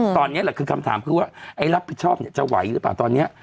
ตอนนี้แหละคือคำถามคือว่าไอ้รับผิดชอบเนี่ยจะไหวหรือเปล่าตอนนี้